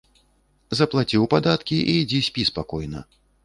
Заплаціў падаткі і ідзі спі спакойна.